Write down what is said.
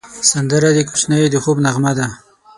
سندره د کوچنیو د خوب نغمه ده